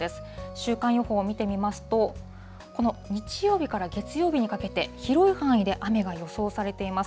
週間予報を見てみますと、この日曜日から月曜日にかけて、広い範囲で雨が予想されています。